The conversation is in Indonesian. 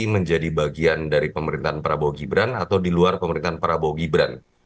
menjadi bagian dari pemerintahan prabowo gibran atau di luar pemerintahan prabowo gibran